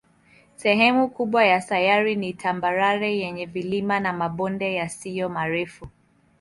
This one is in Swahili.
Sehemu kubwa ya sayari ni tambarare yenye vilima na mabonde yasiyo marefu.